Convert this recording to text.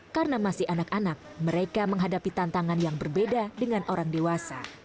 karena masih anak anak mereka menghadapi tantangan yang berbeda dengan orang dewasa